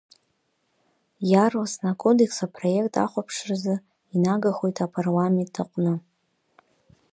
Иаарласны, акодекс апроект ахәаԥшразы инагахоит Апарламент аҟны.